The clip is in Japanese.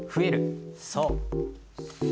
そう。